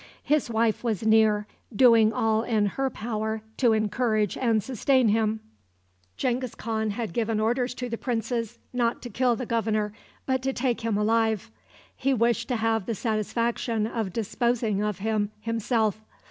His wife was near, doing all in her power to encourage and sustain him. Genghis Khan had given orders to the princes not to kill the governor, but to take him alive. He wished to have the satisfaction of disposing of him himself.